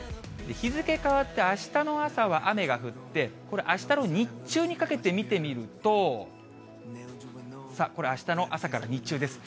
日付変わって、あしたの朝は雨が降って、これ、あしたの日中にかけて見てみると、さあ、これあしたの朝から日中です。